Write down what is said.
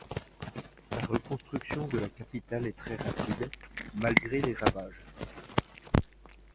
La reconstruction de la capitale est très rapide, malgré les ravages.